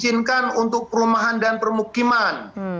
diizinkan untuk perumahan dan permukiman